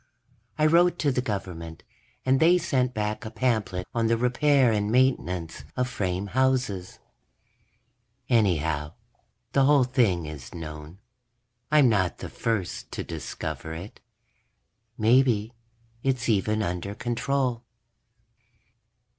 I wrote to the Government, and they sent back a pamphlet on the repair and maintenance of frame houses. Anyhow, the whole thing is known; I'm not the first to discover it. Maybe it's even under control.